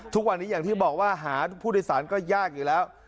ทุกวันนี้อย่างที่บอกว่าหาผู้โดยสารก็ยากอยู่แล้ว